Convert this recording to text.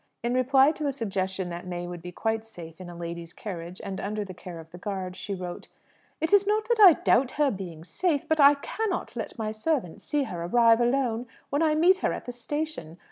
In reply to a suggestion that May would be quite safe in a ladies' carriage, and under the care of the guard, she wrote: "It is not that I doubt her being safe; but I cannot let my servants see her arrive alone when I meet her at the station.